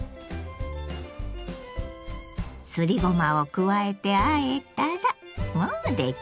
すりごまを加えてあえたらもう出来上がり。